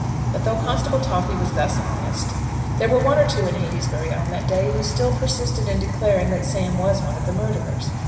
But though Constable Toffy was thus honest, there were one or two in Heytesbury on that day who still persisted in declaring that Sam was one of the murderers.